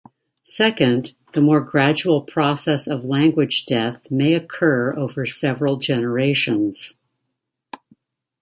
Second, the more gradual process of language death may occur over several generations.